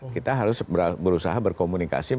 kita harus berusaha berkomunikasi